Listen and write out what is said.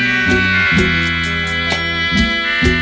มีความรู้สึกว่ามีความรู้สึกว่ามีความรู้สึกว่า